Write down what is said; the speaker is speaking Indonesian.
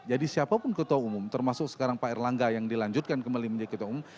jadi siapapun ketua umum termasuk sekarang pak erlangga yang dilanjutkan kembali menjadi ketua umum